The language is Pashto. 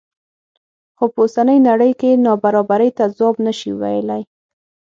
خو په اوسنۍ نړۍ کې نابرابرۍ ته ځواب نه شي ویلی.